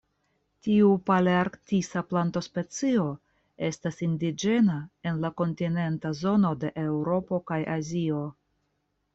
Tiu palearktisa plantospecio estas indiĝena en la kontinenta zono de Eŭropo kaj Azio.